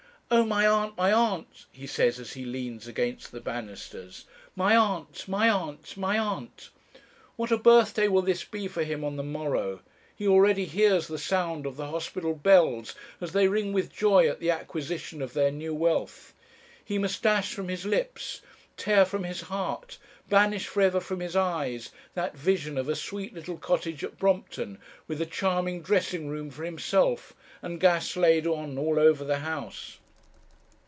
'Oh, my aunt! my aunt!' he says as he leans against the banisters. 'My aunt, my aunt, my aunt!' "What a birthday will this be for him on the morrow! He already hears the sound of the hospital bells as they ring with joy at the acquisition of their new wealth; he must dash from his lips, tear from his heart, banish for ever from his eyes, that vision of a sweet little cottage at Brompton, with a charming dressing room for himself, and gas laid on all over the house.